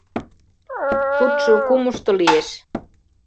— Судшо кумышто лиеш.